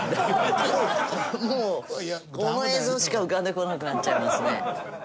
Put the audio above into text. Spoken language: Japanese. もうこの映像しか浮かんでこなくなっちゃいますね。